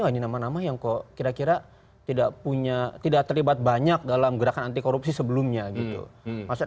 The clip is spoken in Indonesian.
wah ini nama nama yang kok kira kira tidak terlibat banyak dalam gerakan anti korupsi sebelumnya gitu